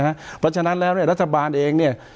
เพราะฉะนั้นแล้วเนี่ยรัฐบาลเองเนี่ย